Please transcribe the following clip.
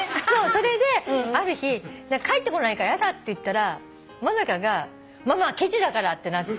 それである日返ってこないからやだって言ったら真香がママはケチだからってなって。